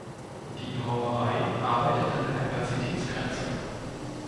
Die Brauerei arbeitet an der Kapazitätsgrenze.